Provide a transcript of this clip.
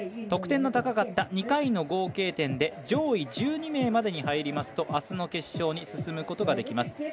得点の高かった２回の合計点で上位１２名までに入りますとあすの決勝に進むことができます。